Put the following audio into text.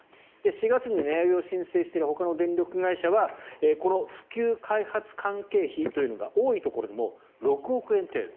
４月に値上げを申請しているほかの電力会社はこの普及開発関係費というのが多いところでも６億円程度。